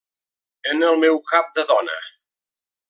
En el meu cap de dona.